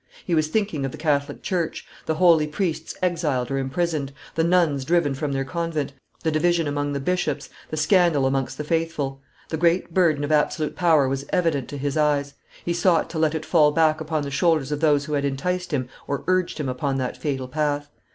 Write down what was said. He was thinking of the Catholic church, the holy priests exiled or imprisoned, the nuns driven from their convent, the division among the bishops, the scandal amongst the faithful. The great burden of absolute power was evident to his eyes; he sought to let it fall back upon the shoulders of those who had enticed him or urged him upon that fatal path.